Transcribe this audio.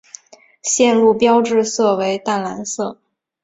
线路标志色为淡蓝色。